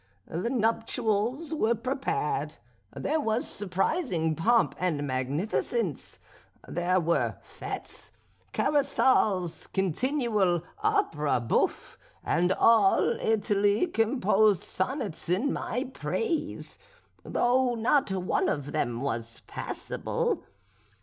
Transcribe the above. The nuptials were prepared. There was surprising pomp and magnificence; there were fêtes, carousals, continual opera bouffe; and all Italy composed sonnets in my praise, though not one of them was passable.